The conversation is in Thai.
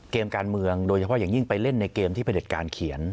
เกมการเมืองโดยเฉพาะอย่างยิ่งไปเล่นในเกมที่ประเด็จการเขียน